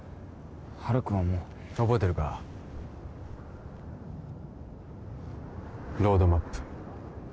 ハルくんはもう覚えてるかロードマップ